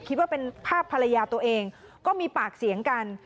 คิดว่าเป็นภาพภรรยาตัวเองก็มีปากเสียงกัน